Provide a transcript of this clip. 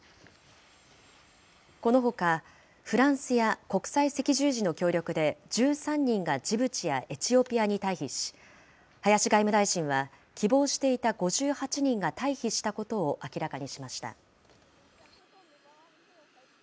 このほか、フランスや国際赤十字の協力で、１３人がジブチやエチオピアに退避し、林外務大臣は、希望していた５８人が退避したことを明らかにしました。